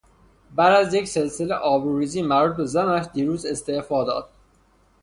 بعد از یک سلسله آبروریزی مربوط به زنش دیروز استعفا داد.